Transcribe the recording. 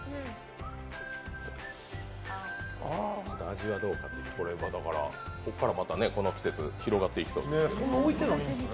味はどうかここからまたこの季節広がっていきそうですね。